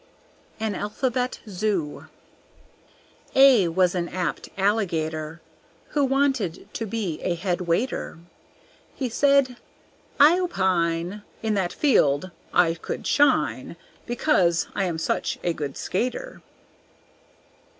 An Alphabet Zoo A was an apt Alligator, Who wanted to be a head waiter; He said, "I opine In that field I could shine, Because I am such a good skater."